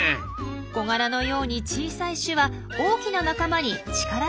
コガラのように小さい種は大きな仲間に力ではかないません。